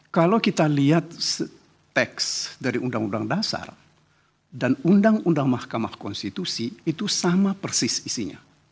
kalau kita lihat teks dari undang undang dasar dan undang undang mahkamah konstitusi itu sama persis isinya